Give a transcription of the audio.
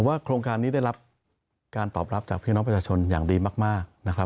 ว่าโครงการนี้ได้รับการตอบรับจากพี่น้องประชาชนอย่างดีมากนะครับ